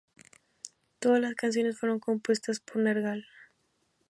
Todas las canciones fueron compuestas por Nergal.